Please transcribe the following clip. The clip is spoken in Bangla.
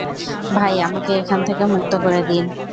ভাই, আমাকে এখান থেকে মুক্ত করে দিন।